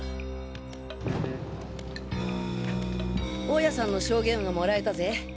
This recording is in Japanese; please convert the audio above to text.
大家さんの証言がもらえたぜ！